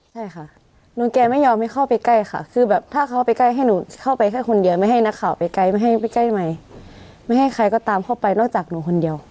ใช่ค่ะน้องแกไม่ยอมให้เข้าไปใกล้ค่ะคือแบบถ้าเขาไปใกล้ให้หนูเข้าไปแค่คนเดียวไม่ให้นักข่าวไปไกลไม่ให้ไปใกล้ใหม่ไม่ให้ใครก็ตามเข้าไปนอกจากหนูคนเดียว